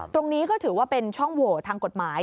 ตรงนี้ก็ถือว่าเป็นช่องโหวตทางกฎหมาย